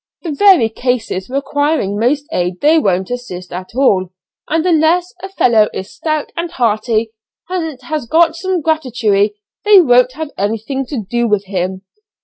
the very cases requiring most aid they won't assist at all, and unless a fellow is stout and hearty and has got some gratuity they won't have anything to do with him.